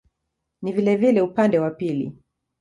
Ni vilevile upande wa pili.